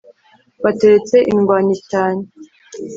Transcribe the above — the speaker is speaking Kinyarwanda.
bateretse indwanyi cyane